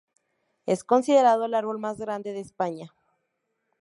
Es considerado el árbol más grande de España.